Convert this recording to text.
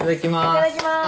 いただきます